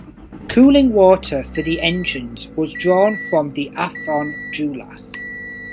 Cooling water for the engines was drawn from the Afon Dulas.